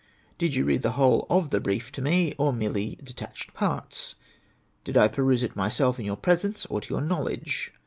Did you read the whole of the brief to me, or merely de tached parts ? Did I peruse it myself in your presence, or to your knowledge